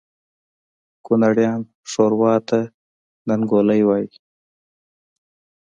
کونړیان ښوروا ته ننګولی وایي